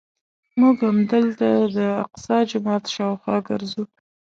موږ همدلته د الاقصی جومات شاوخوا ګرځو.